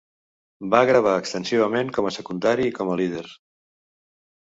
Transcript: Va gravar extensivament com a secundari i com a líder.